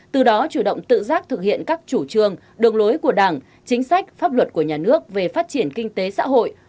từ đó chủ động tự giác thực hiện các chủ trương đường lối của đảng chính sách pháp luật của nhà nước về phát triển kinh tế xã hội